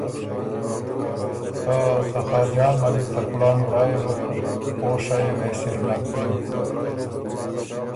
که ته خاجان ملِک ته کُلان ورا يې بُک، او شیه وې سِر نک بیوک